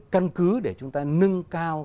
căn cứ để chúng ta nâng cao